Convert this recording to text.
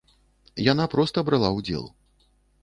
Яна проста брала ўдзел.